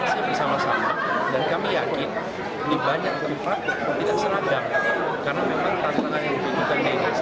karena memang tantangan yang diinginkan dari desa berbeda